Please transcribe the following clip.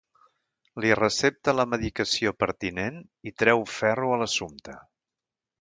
Li recepta la medicació pertinent i treu ferro a l'assumpte.